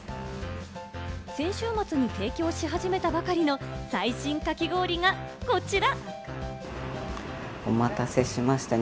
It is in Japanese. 先週末に提供し始めたばかりの最新かき氷がこちら。